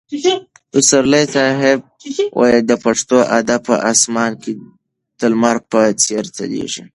پسرلي صاحب د پښتو ادب په اسمان کې د لمر په څېر ځلېږي.